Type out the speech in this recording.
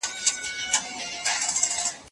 ایا ستا په موبایل کي د هیلې په اړه کوم بیان سته؟